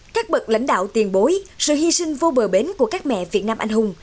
các bậc lãnh đạo tiền bối sự hy sinh vô bờ bến của các mẹ việt nam anh hùng